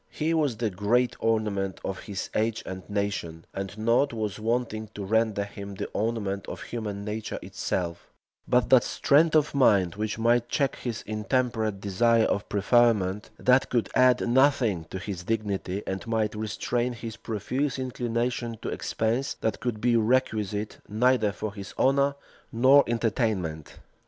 He was the great ornament of his age and nation; and nought was wanting to render him the ornament of human nature itself, but that strength of mind which might check his intemperate desire of preferment, that could add nothing to his dignity, and might restrain his profuse inclination to expense, that could be requisite neither for his honor nor entertainment.